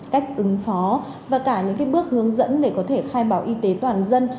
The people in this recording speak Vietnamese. cách ứng phó và cả những bước hướng dẫn để có thể khai báo y tế toàn dân